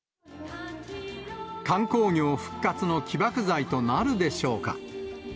観光業復活の起爆剤となるでしょうか。